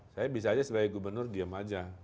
saya bisa aja sebagai gubernur diem aja